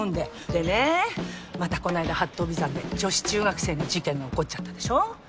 でねまたこないだ八頭尾山で女子中学生の事件が起こっちゃったでしょ？